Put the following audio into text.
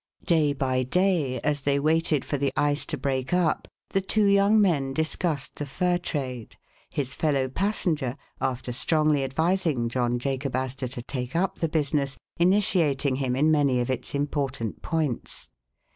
Day by day, as they waited for the ice to break up, the two young men discussed the fur trade, his fellow passenger, after strongly advising John Jacob Astor to take up the business, initiating him in many of its important points.